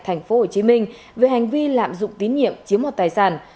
thành phố hồ chí minh về hành vi lạm dụng tín nhiệm chiếm hoạt tài sản